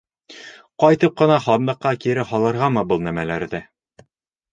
Ҡайтып ҡына һандыҡҡа кире һалырғамы был нәмәләрҙе?